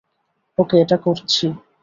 ওকে, এটা করেছি।